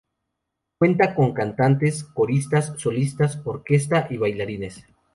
Cuenta con cantantes, coristas, solistas, orquesta y bailarines.